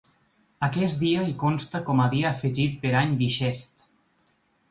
Aquest dia hi consta com a ‘dia afegit per any bixest’.